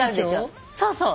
そうそう。